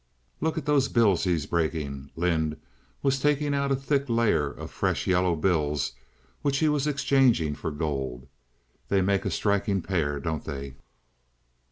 "Look at the bills he's breaking!" Lynde was taking out a thick layer of fresh, yellow bills which he was exchanging for gold. "They make a striking pair, don't they?"